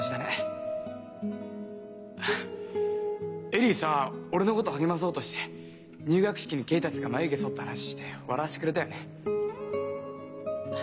恵里さ俺のこと励まそうとして入学式に恵達がまゆ毛そった話して笑わせてくれたよね。